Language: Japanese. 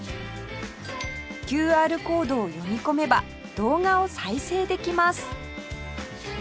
ＱＲ コードを読み込めば動画を再生できます